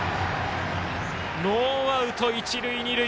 ノーアウト、一塁二塁。